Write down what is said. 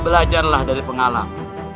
belajarlah dari pengalaman